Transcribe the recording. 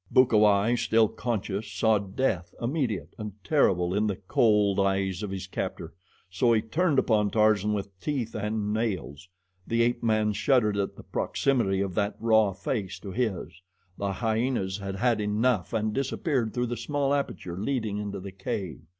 Bukawai, still conscious, saw death, immediate and terrible, in the cold eyes of his captor, so he turned upon Tarzan with teeth and nails. The ape man shuddered at the proximity of that raw face to his. The hyenas had had enough and disappeared through the small aperture leading into the cave.